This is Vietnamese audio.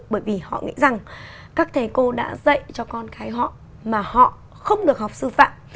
bởi vì họ nghĩ rằng các thầy cô đã dạy cho con cái họ mà họ không được học sư phạm